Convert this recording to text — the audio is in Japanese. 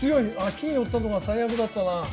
金寄ったのが最悪だったな。